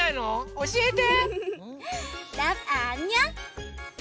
おしえて。